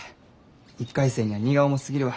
１回生には荷が重すぎるわ。